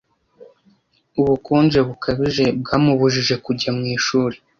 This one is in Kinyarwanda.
Ubukonje bukabije bwamubujije kujya mu ishuri.